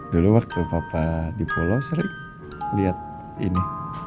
dulu waktu papa dipolo sering liat ini